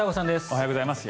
おはようございます。